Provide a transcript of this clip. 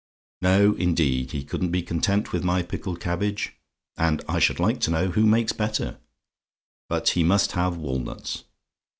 "No, indeed, he couldn't be content with my pickled cabbage and I should like to know who makes better but he must have walnuts.